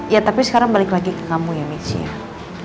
ya tapi sekarang balik lagi ke kamu ya michia